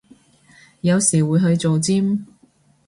有時會去做尖